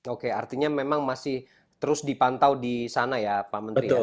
oke artinya memang masih terus dipantau di sana ya pak menteri ya